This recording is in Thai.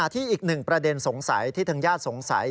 อีกหนึ่งประเด็นสงสัยที่ทางญาติสงสัย